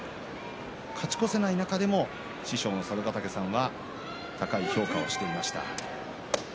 勝ち越せない中でも師匠の佐渡ヶ嶽さんは高い評価をしていました。